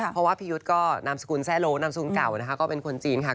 เพราะว่าพี่ยุทธ์ก็นามสกุลแซ่โลนามสกุลเก่านะคะก็เป็นคนจีนค่ะ